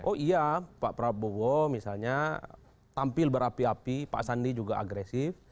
oh iya pak prabowo misalnya tampil berapi api pak sandi juga agresif